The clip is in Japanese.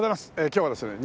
今日はですね